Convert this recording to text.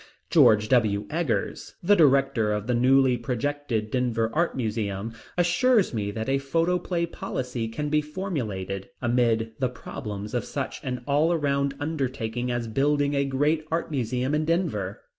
George W. Eggers, the director of the newly projected Denver Art Museum, assures me that a photoplay policy can be formulated, amid the problems of such an all around undertaking as building a great Art Museum in Denver.